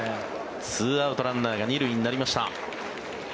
２アウトランナーが２塁になりました。